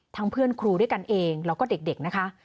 เพื่อนครูด้วยกันเองแล้วก็เด็กนะคะ